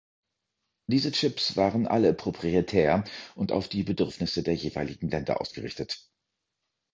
Diese Chips waren alle proprietär und auf die Bedürfnisse der jeweiligen Länder ausgerichtet.